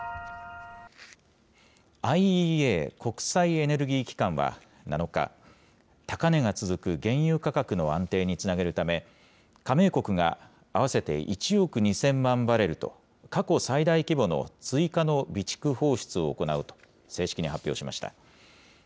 ＩＥＡ・国際エネルギー機関は７日、高値が続く原油価格の安定につなげるため、加盟国が合わせて１億２０００万バレルと、過去最大規模の追加の備蓄放出を行うと、正式に発表しました。